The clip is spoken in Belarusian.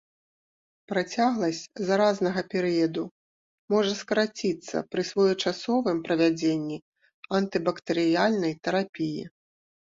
Працягласць заразнага перыяду можа скараціцца пры своечасовым правядзенні антыбактэрыяльнай тэрапіі.